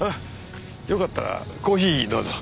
よかったらコーヒーどうぞ。